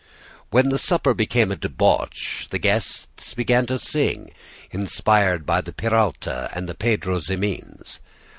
When the supper became a debauch, the guests began to sing, inspired by the Peralta and the Pedro Ximenes.